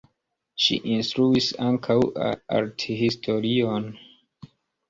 Ŝi instruis ankaŭ arthistorion.